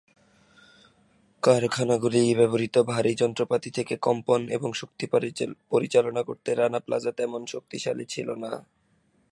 কারখানাগুলি ব্যবহৃত ভারী যন্ত্রপাতি থেকে কম্পন এবং শক্তি পরিচালনা করতে রানা প্লাজা তেমন শক্তিশালী ছিল না।